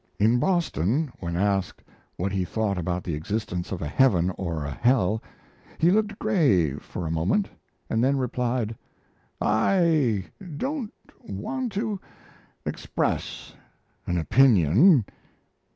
In Boston, when asked what he thought about the existence of a heaven or a hell, he looked grave for a moment, and then replied: "I don't want to express an opinion.